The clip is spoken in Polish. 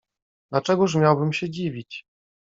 "Dlaczegóż miałbym się dziwić?"